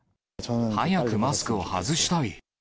早くマスクを外したい。